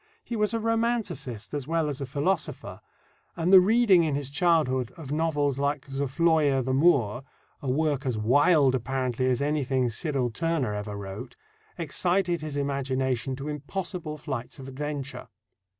He was a romanticist as well as a philosopher, and the reading in his childhood of novels like Zofloya the Moor a work as wild, apparently, as anything Cyril Tourneur ever wrote excited his imagination to impossible flights of adventure.